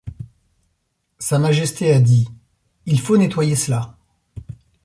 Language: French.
Sa majesté a dit: « Il faut nettoyer cela.